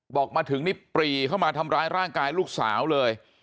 บอกมาถึงนี่ปรีเข้ามาทำร้ายร่างกายลูกสาวเลย